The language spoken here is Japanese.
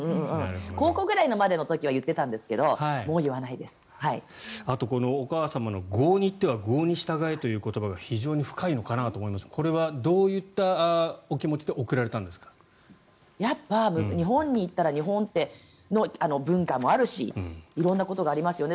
高校ぐらいまでの時は言っていたんですけどあと、お母様の郷に入っては郷に従えという言葉が非常に深いのかなと思いますがこれはどういったお気持ちでやっぱり日本に行ったら日本の文化もあるし色んなことがありますよね。